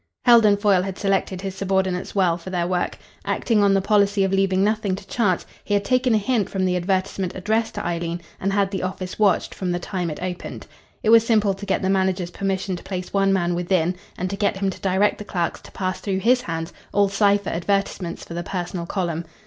Heldon Foyle had selected his subordinates well for their work. Acting on the policy of leaving nothing to chance, he had taken a hint from the advertisement addressed to Eileen, and had the office watched from the time it opened. It was simple to get the manager's permission to place one man within, and to get him to direct the clerks to pass through his hands all cipher advertisements for the personal column.